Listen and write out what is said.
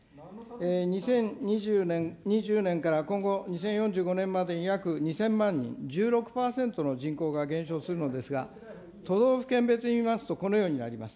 ２０２０年から今後２０４５年までに約２０００万人、１６％の人口が減少するのですが、都道府県別に見ますと、このようになります。